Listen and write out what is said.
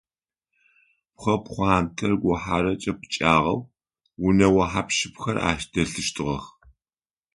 Пхъэ пхъуантэр гухьарэкӏэ пкӏагъэу, унэгъо хьап-щыпхэр ащ дэлъыщтыгъэх.